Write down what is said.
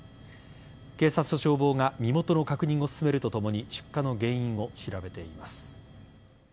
警察と消防が身元の確認を進めるとともに出火の原因を調べています。